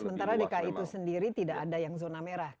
sementara dki itu sendiri tidak ada yang zona merah